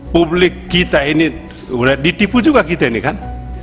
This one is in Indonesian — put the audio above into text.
publik kita ini ditipu juga kita ini kan